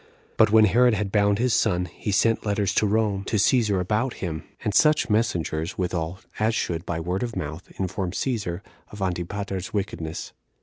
But when Herod had bound his son, he sent letters to Rome to Cæsar about him, and such messengers withal as should, by word of mouth, inform Cæsar of Antipater's wickedness.